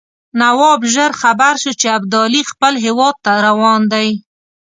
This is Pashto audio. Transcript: نواب ژر خبر شو چې ابدالي خپل هیواد ته روان دی.